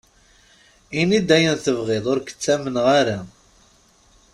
Ini-d ayen tebɣiḍ, ur k-ttamneɣ ara.